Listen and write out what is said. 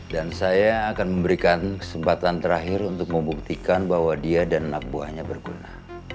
dan saya akan memberikan kesempatan terakhir untuk membuktikan bahwa dia dan anak buahnya berguna